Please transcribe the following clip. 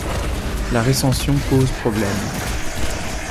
La recension pose problème.